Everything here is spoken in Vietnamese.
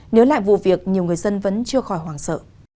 nhớ lại vụ việc nhiều người dân vẫn chưa khỏi hoảng sợ